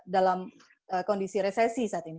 dalam kondisi resesi saat ini